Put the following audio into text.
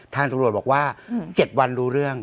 ทางตำรวจบอกว่า๗วันรู้เรื่อง